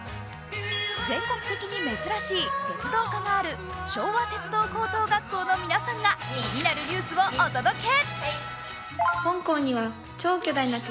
全国的に珍しい鉄道科がある昭和鉄道高等学校の皆さんが気になるニュースをお届け！